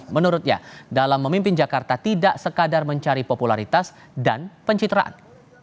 menurutnya dalam memimpin jakarta tidak sekadar mencari popularitas dan pencitraan